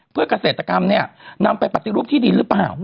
เพื่อเกษตรกรรมนำไปปฏิรูปที่ดินหรือเปล่า